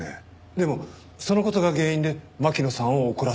でもその事が原因で巻乃さんを怒らせてしまった？